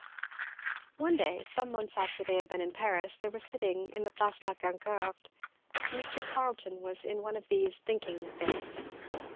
One day, some months after they had been in Paris, they were sitting in the Place de la Concorde, Mr. Carleton was in one of these thinking fits.